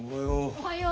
おはよう。